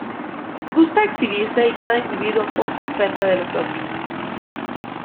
Gusta exhibirse y cada individuo posa enfrente de los otros.